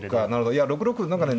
いや６六何かね